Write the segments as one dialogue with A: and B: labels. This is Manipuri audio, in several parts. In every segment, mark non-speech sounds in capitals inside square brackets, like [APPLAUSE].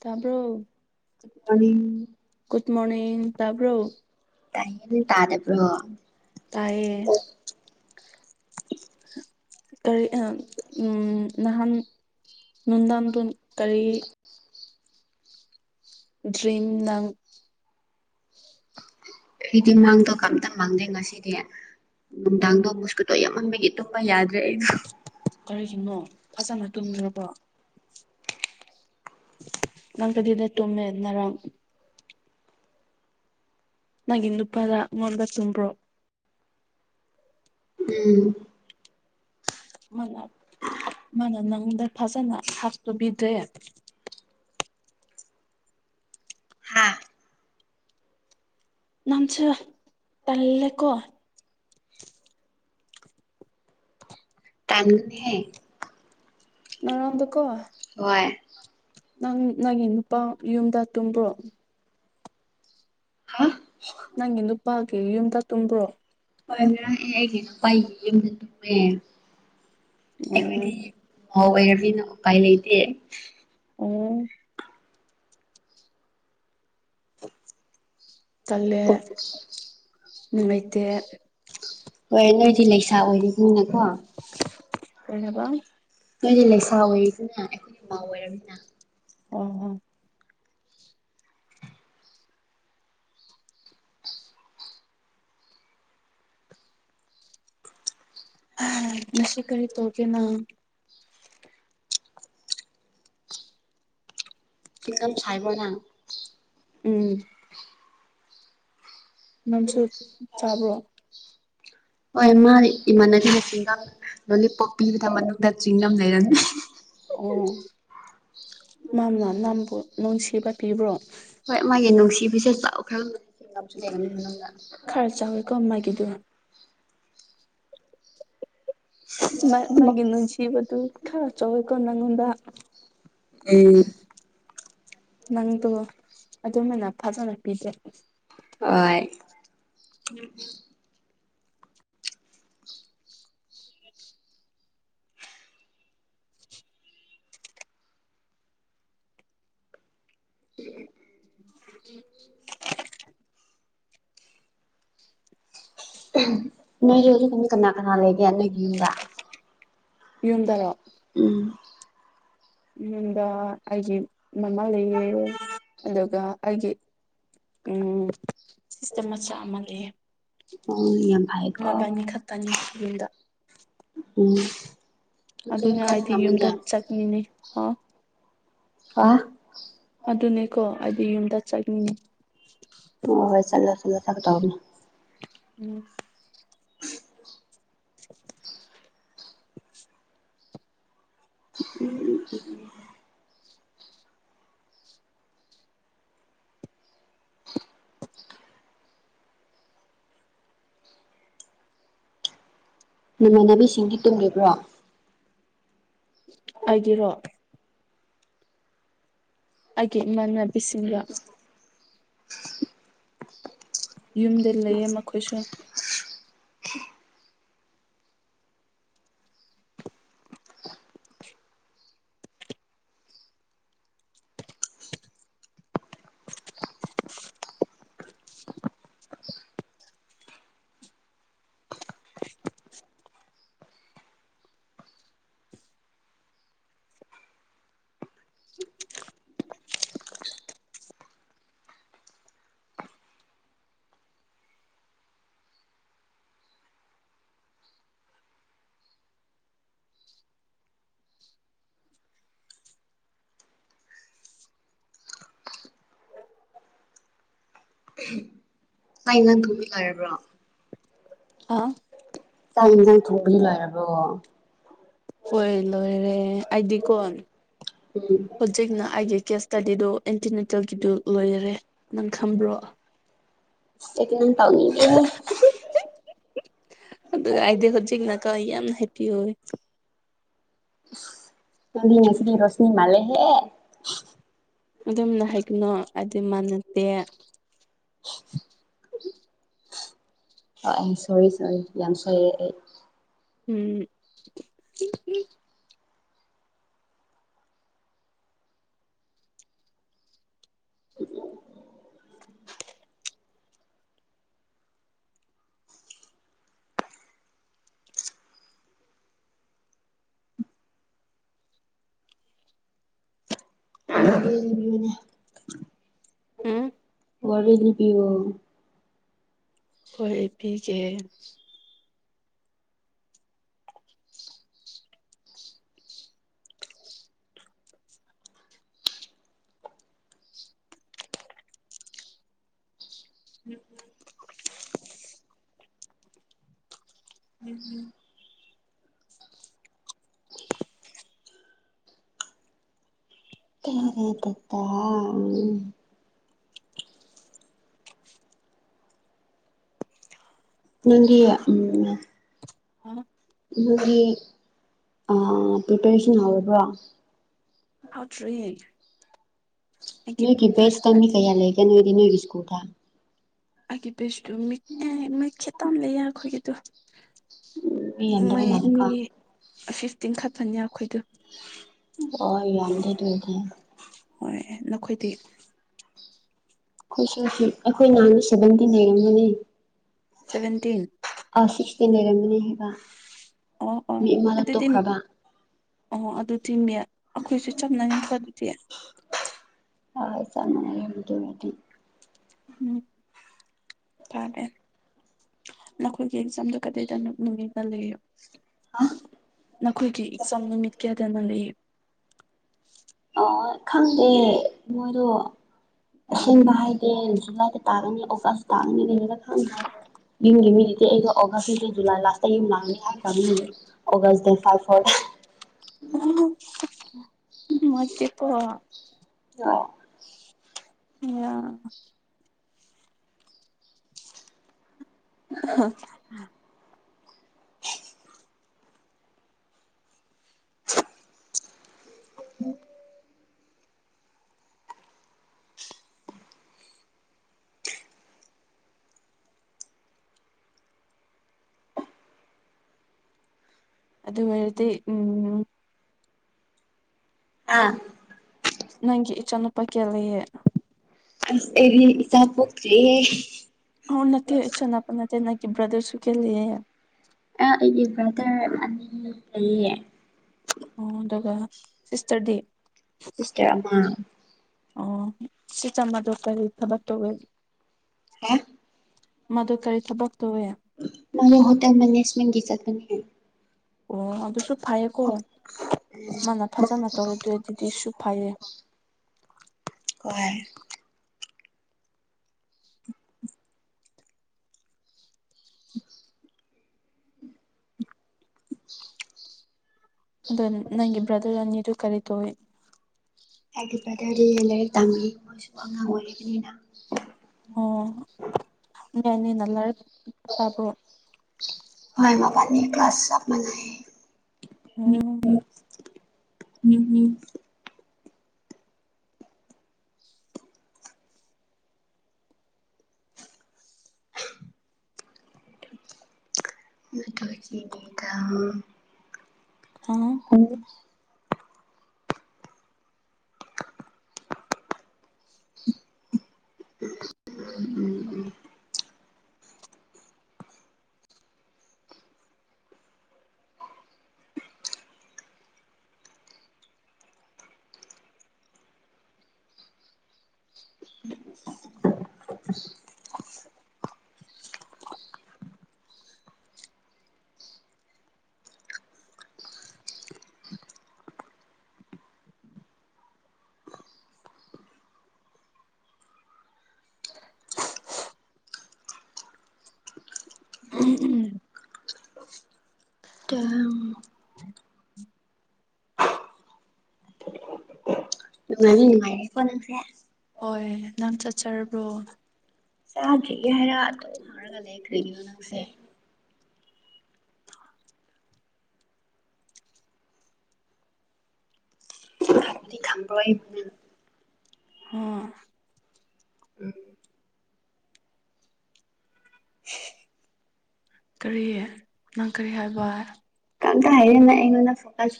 A: ꯇꯥꯕ꯭ꯔꯣ
B: ꯃꯣꯔꯅꯤꯡ
A: ꯒꯨꯠ ꯃꯣꯔꯅꯤꯡ ꯇꯥꯕ꯭ꯔꯣ
B: ꯇꯥꯌꯦ ꯅꯪ ꯇꯥꯗꯕ꯭ꯔꯣ
A: ꯇꯥꯏꯌꯦ ꯀꯔꯤ ꯑ ꯎꯝ ꯅꯍꯥꯟ ꯅꯨꯡꯗꯥꯡꯗꯨ ꯀꯔꯤ ꯗ꯭ꯔꯤꯝ ꯅꯪ
B: ꯑꯩꯗꯤ ꯃꯪꯗꯣ ꯀꯝꯇ ꯃꯪꯗꯦ ꯉꯁꯤꯗꯤ
A: ꯎꯝ
B: ꯅꯨꯡꯗꯥꯡꯗꯣ ꯃꯨꯁꯀꯨꯠ ꯇꯣ ꯌꯥꯝꯃꯟꯕꯒꯤ ꯇꯨꯝꯕ ꯌꯥꯗ꯭ꯔꯦ ꯑꯩꯗꯨ
A: ꯀꯔꯤꯒꯤꯅꯣ ꯐꯖꯅ ꯇꯨꯝꯗ꯭ꯔꯕꯣ ꯅꯪ ꯀꯗꯥꯏꯗ ꯇꯨꯝꯃꯦ ꯉꯔꯥꯡ ꯅꯪꯒꯤ ꯅꯨꯄꯥꯗ ꯉꯣꯟꯕ ꯇꯨꯝꯕ꯭ꯔꯣ
B: [UNINTELLIGIBLE]
A: ꯃꯥꯅ ꯃꯥꯅ ꯅꯪꯗ ꯐꯖꯅ ꯍꯛꯇꯣ ꯄꯤꯗ꯭ꯔꯦ
B: ꯍꯥ
A: ꯅꯟꯁꯨ ꯇꯜꯂꯦꯀꯣ
B: ꯇꯟꯍꯦ
A: ꯉꯔꯥꯡꯗꯣꯀꯣ
B: ꯍꯣꯏ
A: ꯅꯪ ꯅꯪꯒꯤ ꯅꯨꯄꯥ ꯌꯨꯝꯗ ꯇꯨꯝꯕ꯭ꯔꯣ
B: ꯍꯥ
A: ꯅꯪꯒꯤ ꯅꯨꯄꯥꯒꯤ ꯌꯨꯝꯗ ꯇꯨꯝꯕ꯭ꯔꯣ
B: ꯍꯣꯏ ꯉꯔꯥꯡ ꯑꯩ ꯑꯩꯒꯤ ꯅꯨꯄꯥꯏ ꯌꯨꯝꯗ ꯇꯨꯝꯃꯦ ꯑꯩꯈꯣꯏꯗꯤ
A: ꯑꯣ
B: ꯃꯧ ꯑꯣꯏꯔꯃꯤꯅ ꯎꯄꯥꯏ ꯂꯩꯇꯦ
A: ꯑꯣ ꯇꯜꯂꯦ ꯅꯨꯡꯉꯩꯇꯦ
B: ꯍꯣꯏ ꯅꯣꯏꯗꯤ ꯂꯩꯁꯥ ꯑꯣꯏꯔꯤꯕꯅꯤꯅꯀꯣ
A: ꯀꯩ ꯍꯥꯏꯕ
B: ꯅꯣꯏꯗꯤ ꯂꯩꯁꯥ ꯑꯣꯏꯔꯤꯗꯨꯅ ꯑꯩꯈꯣꯏ ꯃꯧ ꯑꯣꯏꯔꯝꯅꯤꯅ
A: [UNINTELLIGIBLE] ꯍꯥ ꯉꯁꯤ ꯀꯔꯤ ꯇꯧꯒꯦ ꯅꯪ
B: ꯆ꯭ꯋꯤꯡꯒꯝ ꯁꯥꯏꯕ꯭ꯔꯣ ꯅꯪ
A: ꯎꯝ ꯅꯪꯁꯨ ꯆꯥꯕ꯭ꯔꯣ
B: [INAUDIBLE] ꯍꯣꯏ ꯃꯥ ꯏꯃꯥꯟꯅꯕꯤꯅ ꯆ꯭ꯋꯤꯡꯒꯝ ꯂꯣꯂꯤꯄꯣꯞ ꯄꯤꯕꯗ ꯃꯅꯨꯡꯗ ꯆ꯭ꯋꯤꯡꯒꯝ ꯂꯩꯔꯃꯤ
A: ꯑꯣ ꯃꯥꯅ ꯅꯪꯕꯨ ꯅꯨꯡꯁꯤꯕ ꯄꯤꯕ꯭ꯔꯣ
B: ꯍꯣꯏ ꯃꯥꯒꯤ ꯅꯨꯡꯁꯤꯕꯤꯁꯦ ꯆꯥꯎꯈ꯭ꯔ [INAUDIBLE] ꯂꯩꯔꯝꯅꯤ ꯅꯪꯅ
A: ꯀꯝꯃꯥꯏ [UNINTELLIGIBLE] ꯃꯥ
B: ꯎꯝ
A: ꯃꯥꯒꯤ ꯅꯨꯡꯁꯤꯕꯗꯨ ꯈꯔ ꯆꯧꯏꯀꯣ ꯅꯪꯉꯣꯟꯗ
B: ꯎꯝ
A: ꯅꯪꯗꯣ ꯑꯗꯨꯃꯥꯏꯅ ꯐꯖꯅ ꯄꯤꯗ꯭ꯔꯦ
B: ꯍꯣꯏ [INAUDIBLE]
A: [INAUDIBLE]
B: ꯅꯣꯏꯁꯨ ꯍꯧꯖꯤꯛꯀꯥꯟꯗꯤ ꯀꯅꯥ ꯀꯅꯥ ꯂꯩꯒꯦ ꯅꯣꯏꯒꯤ ꯌꯨꯝꯗ
A: ꯌꯨꯝꯗꯔꯣ
B: ꯎꯝ
A: ꯌꯨꯝꯗ ꯑꯩꯒꯤ ꯃꯃꯥ ꯂꯩꯌꯦ ꯑꯗꯨꯒ ꯑꯩꯒꯤ ꯎꯝ ꯁꯤꯁꯇꯔꯃꯆꯥ ꯑꯃ ꯂꯩꯌꯦ
B: ꯑꯣ ꯌꯥꯝ ꯐꯩꯀꯣ
A: ꯃꯕꯥꯅꯤ ꯈꯛꯇꯅꯤ ꯌꯨꯝꯗ
B: ꯎꯝ ꯅꯪꯁꯨ ꯌꯨꯝ
A: ꯑꯗꯨꯅ ꯑꯩꯗꯤ
B: ꯆꯠꯅꯤꯡꯉꯝꯅꯤꯅꯦ
A: ꯌꯨꯝꯗ ꯆꯠꯅꯤꯡꯅꯦ ꯄꯥꯎ
B: [UNINTELLIGIBLE]
A: ꯑꯗꯨꯅꯦꯀꯣ ꯑꯩꯗꯤ ꯌꯨꯝꯗ ꯆꯠꯅꯤꯡꯉꯤ
B: ꯍꯣꯏ ꯍꯣꯏ ꯆꯠꯂꯣ ꯆꯠꯂꯣ ꯊ ꯇꯧꯅꯦ
A: ꯎꯝ [UNINTELLIGIBLE]
B: [UNINTELLIGIBLE] ꯅꯃꯥꯟꯅꯕꯤꯁꯤꯡꯗꯤ ꯇꯨꯝꯔꯤꯕ꯭ꯔꯣ
A: ꯑꯩꯒꯤꯔꯣ ꯑꯩꯒꯤ ꯏꯃꯥꯟꯅꯕꯤ ꯁꯤꯡꯒ ꯌꯨꯝꯗ ꯂꯩꯌꯦ ꯃꯈꯣꯏꯁꯨ
B: [UNINTELLIGIBLE] ꯇꯨꯃꯤ ꯂꯔꯕ꯭ꯔꯣ
A: ꯍꯥꯥ
B: ꯆꯥꯛ ꯌꯦꯟꯁꯥꯡ ꯊꯣꯡꯄꯗꯤ ꯂꯣꯏꯔꯕꯣ
A: ꯍꯣꯏ ꯂꯣꯏꯔꯦ ꯑꯩꯗꯤꯀꯣ
B: ꯎꯝ
A: ꯍꯨꯖꯤꯛꯅ ꯑꯩꯒꯤ ꯆꯦꯁ ꯇꯗꯤꯗꯣ ꯑꯦꯟꯇꯤꯅꯦꯇꯦꯜꯒꯤꯗꯨ ꯂꯣꯏꯔꯔꯦ ꯅꯪ ꯈꯟꯕ꯭ꯔꯣ
B: ꯑꯇꯦꯟ ꯇꯧꯅꯤꯡꯗꯦꯍꯦ
A: ꯑꯗꯨꯒ ꯑꯩꯗꯤ ꯍꯧꯖꯤꯛꯅꯀꯣ ꯌꯥꯝ ꯍꯦꯞꯄꯤ ꯑꯣꯏ
B: ꯅꯪꯗꯤ ꯉꯁꯤꯗꯤ ꯔꯣꯁꯤꯅꯤ ꯃꯂꯦꯍꯦ
A: ꯑꯗꯨꯝꯅ ꯍꯥꯏꯒꯅꯣ ꯑꯗꯨ ꯃꯥꯟꯅꯗꯦ
B: ꯑꯥꯢ ꯌꯦꯝ ꯁꯣꯔꯤ ꯁꯣꯔꯤ ꯌꯥꯝ ꯁꯣꯏꯔꯦ ꯑꯩ
A: ꯎꯝ
B: [UNINTELLIGIBLE]
A: ꯎꯝ
B: ꯋꯥꯔꯤ ꯂꯤꯕꯤꯌꯣ
A: ꯍꯣꯏ ꯄꯤꯒꯦ
B: ꯎꯝ ꯎꯝ [UNINTELLIGIBLE] ꯅꯪꯒꯤ ꯎꯝ
A: ꯍ
B: ꯅꯣꯏꯒꯤ ꯑ ꯄ꯭ꯔꯤꯄꯦꯔꯦꯁꯟ ꯍꯧꯔꯕ꯭ꯔꯣ
A: ꯍꯥꯎꯇ꯭ꯔꯤꯌꯦ
B: ꯅꯣꯏꯒꯤ ꯕꯦꯁꯇ ꯃꯤ ꯀꯌꯥ ꯂꯩꯒꯦ ꯅꯣꯏꯗꯤ ꯅꯣꯏꯒꯤ ꯁ꯭ꯀꯨꯜꯗ
A: ꯑꯩꯒꯤ ꯕꯦꯁꯇꯨꯃꯤ
B: [UNINTELLIGIBLE]
A: ꯃꯩ ꯈꯦꯇꯥꯝ ꯂꯩꯌꯦ ꯑꯩꯈꯣꯏꯒꯤꯗꯨ
B: ꯃꯤ ꯌꯥꯝꯗꯕ ꯃꯥꯂꯦꯀꯣ
A: ꯐꯤꯐꯇꯤꯟꯈꯠꯇꯅꯤ ꯑꯩꯈꯣꯏꯗꯨ
B: ꯍꯣꯏ ꯌꯥꯝꯗꯦ ꯑꯗꯨ ꯑꯣꯏꯗꯤ
A: ꯍꯣꯏ ꯅꯈꯣꯏꯗꯤ
B: ꯈꯣꯏꯁꯨ ꯑꯩꯈꯣꯏ ꯅꯍꯥꯟ ꯁꯚꯦꯟꯇꯤꯟ ꯂꯩꯔꯝꯒꯅꯤ
A: ꯁꯕꯦꯟꯇꯤꯟ꯫
B: ꯑ ꯁꯤꯛꯁꯇꯤꯟ ꯂꯩꯔꯝꯕꯅꯦ ꯍꯥꯏꯕ꯫
A: ꯑꯣ ꯑꯣ
B: ꯃꯤ ꯑꯃꯗ
A: ꯑꯗꯨꯗꯤꯟ꯫
B: ꯇꯣꯛꯈ꯭ꯔꯕ
A: ꯑꯣ ꯑꯗꯨꯗꯤ ꯃꯦ ꯑꯈꯣꯏꯁꯨ ꯆꯞ ꯃꯥꯟꯅꯩꯀꯣ ꯑꯗꯨꯗꯤ꯫
B: ꯑꯥ ꯆꯞ ꯃꯥꯟꯅꯩ ꯍꯥꯏꯕ ꯗꯨꯃꯗꯤ
A: ꯎꯝ꯫ ꯐꯥꯗꯦ ꯅꯈꯣꯏꯒꯤ ꯑꯦꯛꯖꯥꯝꯗꯣ ꯀꯔꯤꯗꯅꯣ ꯅꯨꯃꯤꯠꯇ ꯂꯩ ꯅꯈꯣꯏꯒꯤ ꯏꯛꯆꯥꯝ ꯅꯨꯃꯤꯠ ꯀꯌꯥꯗꯅ‌ꯣ ꯂꯩ꯫
B: ꯑꯣ ꯈꯪꯗꯦ ꯃꯣꯏꯗꯣ꯫ ꯑꯁꯦꯡꯕ
A: ꯎꯝ
B: ꯍꯥꯏꯗ‌ꯦ ꯖꯨꯂꯥꯏꯗ ꯇꯥꯒꯅꯤ ꯑꯣꯒꯁ ꯇꯥꯒꯅꯤ [UNINTELLIGIBLE] ꯌꯨꯃꯒꯤ ꯃꯤ ꯒ‌ꯩꯗꯤ ꯑꯩꯗꯣ ꯑꯣꯒꯁ ꯅꯠꯇ‌ꯦ ꯖꯨꯂꯥꯏ ꯂꯥꯁꯇ ꯌꯨꯝ ꯂꯥꯡꯅꯤ ꯍꯥꯏ ꯈꯔꯝꯅꯤ꯫ ꯑꯣꯒꯁ ꯗꯦ ꯐꯥꯏ ꯐꯣꯔ꯫
A: [UNINTELLIGIBLE] ꯃꯣꯢ ꯆꯤꯠꯄꯣ꯫
B: [UNINTELLIGIBLE]
A: [UNINTELLIGIBLE] [UNINTELLIGIBLE]
B: [INAUDIBLE] [INAUDIBLE]
A: ꯑꯗꯨ ꯑꯣꯏꯔꯗꯤ ꯎꯝ꯫
B: ꯑꯥ꯫
A: ꯅꯪꯒꯤ ꯏꯆꯥ ꯅꯨꯄꯥ ꯀꯌꯥ ꯂꯩꯌ‌ꯦ꯫
B: ꯑꯁ ꯑꯩꯗꯤ ꯏꯆꯥ ꯄꯣꯛꯇ꯭ꯔꯤꯍꯦ꯫
A: ꯑ‌ꯣ ꯅꯠꯇꯦ ꯏꯆꯅꯥꯄ ꯅꯠꯇꯦ ꯅꯪꯒꯤ ꯕ꯭ꯔꯗꯔꯁꯨ ꯀꯌꯥ ꯂꯩꯌ‌ꯦ
B: ꯑ ꯑꯩꯒꯤ ꯕ꯭ꯔꯗꯔ ꯑꯅꯤ ꯂꯩꯌꯦ
A: ꯑꯣ ꯑꯗꯨꯒ ꯁꯤꯁꯇꯔꯗꯤ
B: ꯁꯤꯁꯇꯔ ꯑꯃꯥ
A: ꯑꯣ ꯁꯤ ꯆꯝꯕꯗꯣ ꯀꯔꯤ ꯊꯕꯛ ꯇꯧꯋ‌ꯦ
B: ꯑ‌ꯦ
A: ꯃꯗꯨ ꯀꯔꯤ ꯊꯕꯛ ꯇꯧꯋꯦ
B: ꯃꯥꯗꯨ ꯍꯣꯇꯦꯜ ꯃꯦꯅꯦꯖꯃꯦꯟꯒꯤ ꯆꯠꯄꯅ‌ꯦ
A: ꯑꯣ ꯑꯗꯨꯁꯨ ꯐꯩꯌꯦꯀꯣ ꯃꯥꯅ ꯐꯖꯅ ꯇꯧꯗꯔ ꯗꯤꯗꯤꯁꯨ ꯐꯩꯌꯦ
B: ꯍ‌ꯣꯏ [INAUDIBLE] [INAUDIBLE]
A: ꯑꯗꯨ ꯅꯪꯒꯤ ꯕ꯭ꯔꯗꯔ ꯑꯅꯤꯗꯨ ꯀꯔꯤ ꯇꯧꯋꯤ
B: ꯑꯩꯒꯤ ꯕ꯭ꯔꯗꯔꯗꯤ ꯂꯥꯏꯔꯤꯛ ꯇꯝꯃꯤ ꯃꯣꯏꯁꯨ ꯑꯉꯥꯡ ꯑꯣꯏꯔꯤꯕꯅꯤꯅ
A: ꯑꯣ ꯃ‌ꯣꯏꯅꯤꯅꯥ ꯂꯥꯏꯔꯤꯛ ꯄꯥꯕꯔ‌ꯣ
B: ꯃꯥꯏ ꯃꯕꯥꯅꯤ ꯀ꯭ꯂꯥꯁ ꯆꯞ ꯃꯥꯅꯩ
A: ꯎꯝ
B: [UNINTELLIGIBLE] ꯃꯊ‌ꯣꯏꯒꯤ ꯅꯤ ꯗꯥ
A: ꯍꯥ
B: [UNINTELLIGIBLE] [UNINTELLIGIBLE]
A: [UNINTELLIGIBLE] ꯎꯝ ꯎꯝ [UNINTELLIGIBLE]
B: [UNINTELLIGIBLE] ꯅꯨꯡꯉꯥꯢꯅꯤ ꯅꯨꯡꯉꯥꯢꯅꯤ [UNINTELLIGIBLE]
A: ꯍꯣꯏ ꯅꯪ ꯆꯥꯛꯆꯔꯕ꯭ꯔꯣ
B: ꯆꯥꯗ꯭ꯔꯤꯌꯦ ꯍꯥꯏꯔꯥ ꯑꯗꯨ ꯍꯥꯏꯔꯒ ꯂꯩꯈ꯭ꯔꯤꯅꯦ ꯅꯪꯁꯦ
A: ꯎꯝ
B: ꯊꯝꯔꯣꯢ
A: ꯎꯝ ꯀꯔꯤ ꯅꯪ ꯀꯔꯤ ꯍꯥꯏꯕ
B: ꯑꯝꯇ ꯍꯤꯢꯌꯨꯅꯦ ꯅꯩꯉꯣꯟꯗ ꯐꯣꯒꯥꯁ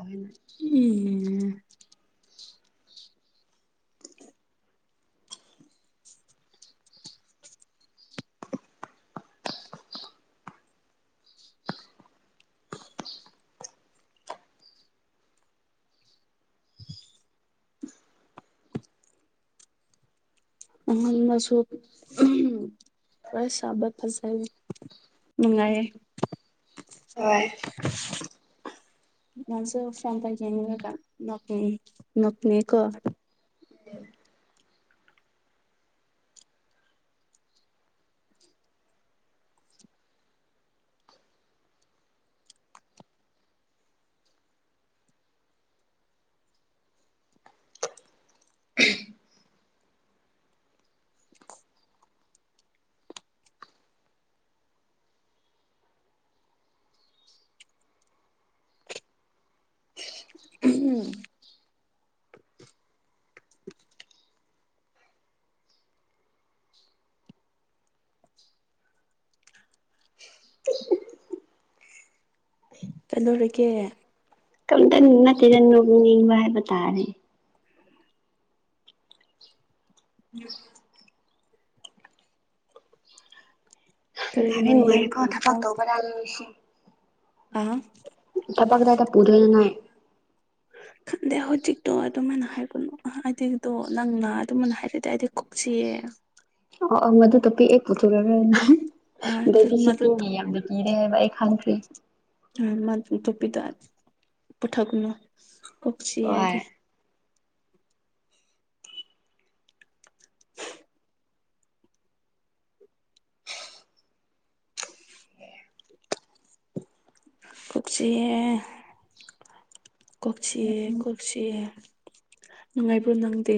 B: [UNINTELLIGIBLE]
A: ꯎꯝ [UNINTELLIGIBLE] ꯃꯥꯡꯗꯁꯨ ꯋꯥꯔꯤ ꯁꯥꯕ ꯐꯖꯦ ꯅꯨꯡꯉꯥꯏꯌꯦ
B: ꯍꯣꯏ
A: ꯃꯁꯨ ꯐꯥꯟꯇꯒꯤꯅꯤ ꯅ [UNINTELLIGIBLE] ꯅꯣꯛꯄꯅꯦꯒꯣ
B: ꯎꯝ [UNINTELLIGIBLE]
A: ꯀꯩꯗꯧꯔꯤꯒꯦ
B: ꯀꯤꯝꯇ ꯅꯠꯇꯦꯗ ꯅꯣꯛꯅꯤꯡꯕ ꯍꯥꯏꯕ ꯇꯥꯔꯦ ꯎꯝ ꯅꯨꯡꯉꯥꯢꯔꯦ
A: ꯀꯔꯤꯒꯤꯅꯣ
B: ꯅꯨꯡꯉꯥꯢꯔꯦꯒꯣ
A: ꯌꯥꯝꯅ
B: ꯊꯕꯛ ꯇꯧꯕ ꯂꯥꯢꯔꯤ ꯉꯁꯤ
A: ꯍꯥ
B: ꯆꯄꯛ ꯀꯗ ꯄꯨꯗꯦꯜꯅꯥꯏ [UNINTELLIGIBLE]
A: ꯈꯪꯗꯦ ꯍꯧꯖꯤꯛꯇꯣ ꯑꯗꯨꯃꯥꯏꯅ ꯍꯥꯏꯒꯅꯣ ꯍꯥꯏꯗꯤ ꯅꯪꯅ ꯑꯗꯨꯃꯥꯏꯅ ꯍꯥꯏꯔꯗꯤ ꯑꯩꯗꯤ ꯀꯣꯛ ꯆꯤꯛꯑꯦ
B: ꯑꯣ ꯑꯗꯨꯗ ꯄꯤꯛꯑꯦ ꯊꯣꯔ [UNINTELLIGIBLE] [UNINTELLIGIBLE] [UNINTELLIGIBLE] ꯑꯗꯨ ꯑ ꯐꯁꯤ ꯇꯤꯡꯒꯤ ꯌꯥꯝꯗ ꯀꯔꯦ ꯍꯥꯏꯕ ꯑꯩ ꯈꯪꯈ꯭ꯔꯦ
A: ꯃꯥ ꯇꯣꯄꯤꯗ ꯄꯨꯊꯛꯒꯅꯣ ꯀꯣꯛꯁꯤ ꯌꯥꯗꯦ
B: ꯍꯣꯏ
A: ꯁ [INAUDIBLE] ꯀꯣꯛ ꯆꯤꯛꯑꯦ ꯀꯣꯛ ꯆꯤꯛꯑꯦ ꯆꯤꯛꯌꯦ ꯅꯨꯡꯉꯥꯏꯕ꯭ꯔꯣ ꯅꯪꯗꯤ